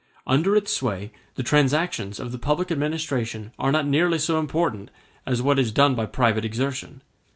Under its sway the transactions of the public administration are not nearly so important as what is done by private exertion.